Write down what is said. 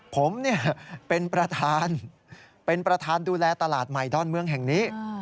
ผมเป็นประธานดูแลตลาดใหม่ด้อนเมืองแห่งนี้